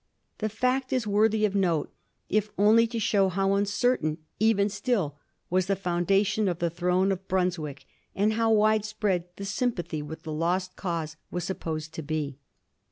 The fact is worthy of note if only to show how uncertain, even still, was the foundation of the throne of Brunswick, and how wide spread the sympathy with the lost cause was supposed to be.